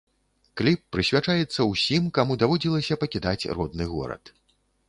Кліп прысвячаецца ўсім, каму даводзілася пакідаць родны горад.